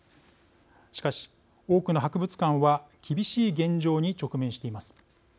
しかし、多くの博物館は厳しい現状に直面しています。